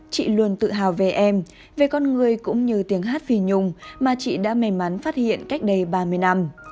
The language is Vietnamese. chị luôn tự hào về em về con người cũng như tiếng hát phi nhung mà chị đã may mắn phát hiện cách đây ba mươi năm